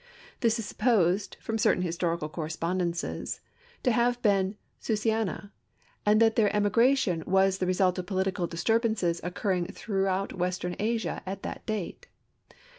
This is supposed, from certain historical correspondences, to have been Susiana, and that their emigration was the result of political disturbances occurring throughout western Asia at that date.